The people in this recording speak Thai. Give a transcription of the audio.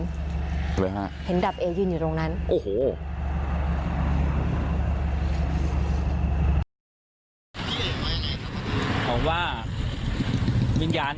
อยู่ที่วันแล้วตอนนี้ให้ตามไปที่วัน